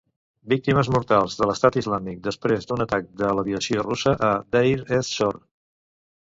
Víctimes mortals de l'Esta islàmic després d'un atac de l'aviació russa a Deir ez-Zor.